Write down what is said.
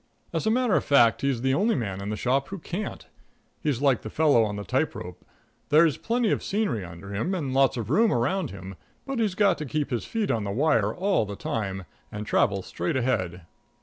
As a matter of fact, he's the only man in the shop who can't. He's like the fellow on the tight rope there's plenty of scenery under him and lots of room around him, but he's got to keep his feet on the wire all the time and travel straight ahead.